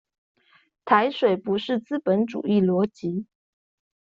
台水不是資本主義邏輯